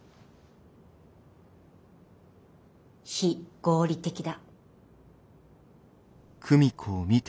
非合理的だ。